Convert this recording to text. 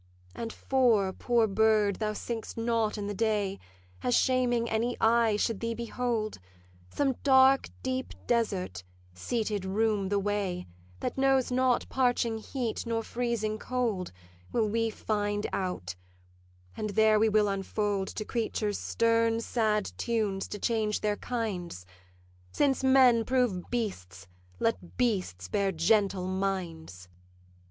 'And for, poor bird, thou sing'st not in the day, As shaming any eye should thee behold, Some dark deep desert, seated room the way, That knows not parching heat nor freezing cold, Will we find out; and there we will unfold To creatures stern sad tunes, to change their kinds: Since men prove beasts, let beasts bear gentle minds.'